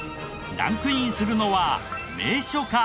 ランクインするのは名所か？